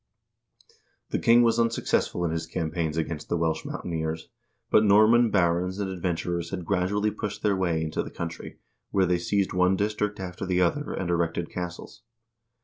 1 The king was unsuccess ful in his campaigns against the Welsh mountaineers, but Norman barons and adventurers had gradually pushed their way into the country, where they seized one district after the other, and erected castles.